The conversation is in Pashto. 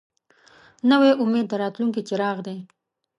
نوی امید د راتلونکي څراغ دی